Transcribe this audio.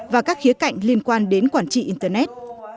và các khía cạnh liên quan đến quản trị internet